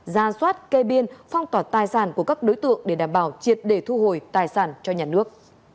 ra soát kê biên phong tỏa tài sản của các đối tượng để đảm bảo triệt để thu hồi tài sản cho nhà nước